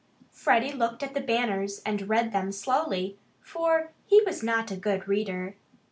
Freddie looked at the banners and read them slowly, for he was not a good reader.